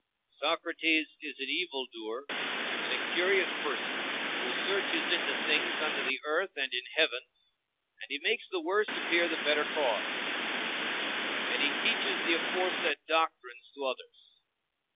"Socrates is an evil doer, and a curious person, who searches into things under the earth and in heaven, and he makes the worse appear the better cause; and he teaches the aforesaid doctrines to others."